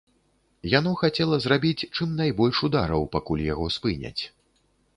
Яно хацела зрабіць чым найбольш удараў, пакуль яго спыняць.